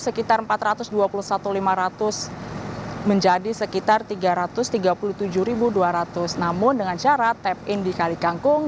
sekitar empat ratus dua puluh satu lima ratus menjadi sekitar tiga ratus tiga puluh tujuh dua ratus namun dengan syarat tap in di kalikangkung